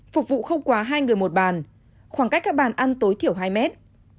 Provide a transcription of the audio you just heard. phục vụ không quá hai người một bàn khoảng cách các bàn ăn tối thiểu hai mét